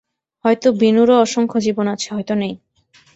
হয়তো বিনুরও অসংখ্য জীবন আছে, হয়তো নেই।